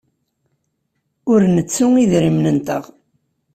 Ur nettu idrimen-nteɣ.